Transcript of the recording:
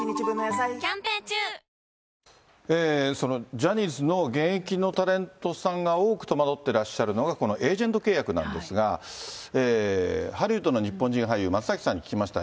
ジャニーズの現役のタレントさんが多く戸惑ってらっしゃるのが、このエージェント契約なんですが、ハリウッドの日本人俳優、松崎さんに聞きました。